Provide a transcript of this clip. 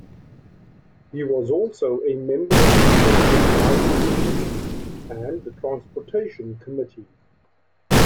He was also a member of the Senate Environment Committee and the Transportation Committee.